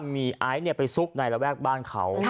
มีไอซ์ไปซุกในระแวกบ้านเขา